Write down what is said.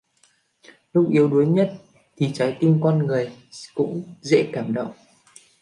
Lúc yếu đuối nhất thì trái tim con người cũng dễ cảm động